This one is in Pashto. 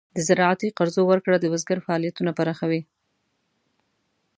د زراعتي قرضو ورکړه د بزګر فعالیتونه پراخوي.